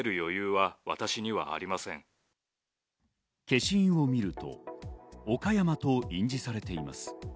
消印を見ると岡山と印字されています。